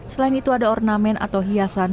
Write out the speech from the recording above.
selain itu ada ornamen atau hiasan